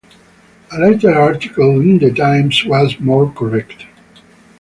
A later article in "The Times" was more correct.